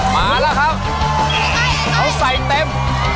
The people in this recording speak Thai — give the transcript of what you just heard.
มาแล้วครับเขาใส่เต็ม